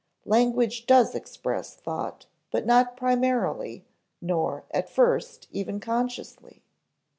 Language does express thought, but not primarily, nor, at first, even consciously.